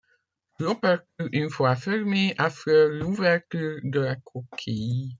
L’opercule une fois fermé affleure l’ouverture de la coquille.